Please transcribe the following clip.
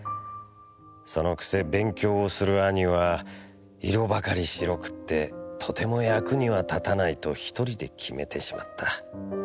その癖勉強をする兄は色ばかり白くってとても役には立たないと一人で決めてしまった。